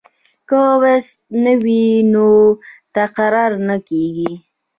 که بست نه وي نو تقرر نه کیږي.